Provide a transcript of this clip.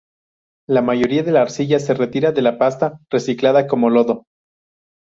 La mayoría de la arcilla se retira de la pasta reciclada como lodo.